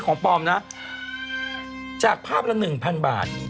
ของสหภาพละ๑๐๐๐บาท